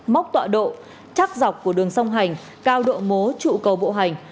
mốc tọa độ chắc dọc của đường sông hành cao độ mố trụ cầu bộ hành